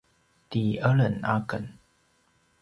ti eleng aken